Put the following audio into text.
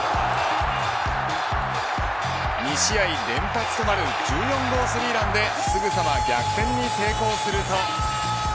２試合連発となる１４号スリーランですぐさま逆転に成功すると。